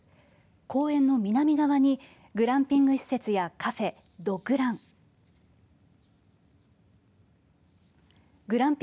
公園の南側にグランピング施設やカフェドッグラン。